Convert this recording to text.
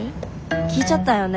聞いちゃったんよね。